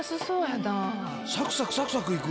サクサクサクサクいく。